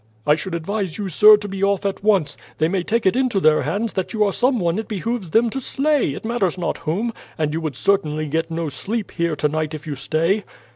I should advise you, sir, to be off at once. They may take it into their heads that you are some one it behooves them to slay, it matters not whom; and you would certainly get no sleep here tonight if you stay."